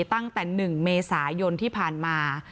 ตั้งแต่๑เมษายนที่ผ่านมา